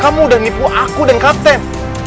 kamu udah nipu aku dan kapten